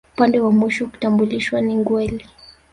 Upande wa mwisho kutambulishwa ni Ngweli